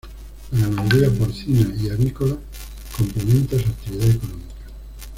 La ganadería porcina y avícola complementa su actividad económica.